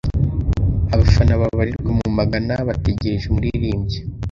Abafana babarirwa mu magana bategereje umuririmbyi.